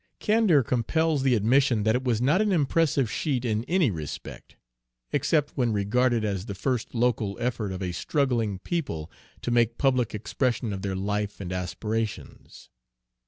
Candor compels the admission that it was not an impressive sheet in any respect, except when regarded as the first local effort of a struggling people to make public expression of their life and aspirations.